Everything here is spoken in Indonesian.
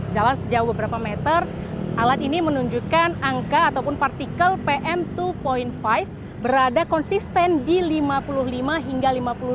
jalan sejauh beberapa meter alat ini menunjukkan angka ataupun partikel pm dua lima berada konsisten di lima puluh lima hingga lima puluh delapan